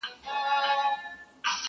میکده کي به له ډکه جامه ولاړ سم,